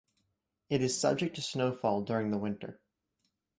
It is subject to snowfall during the winter.